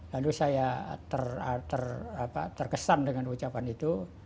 lalu saya terkesan dengan ucapan itu